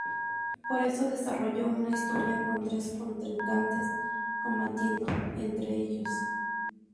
Por eso desarrolló una historia con tres contrincantes combatiendo entre ellos.